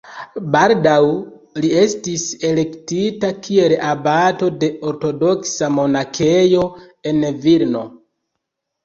Baldaŭ li estis elektita kiel abato de ortodoksa monakejo en Vilno.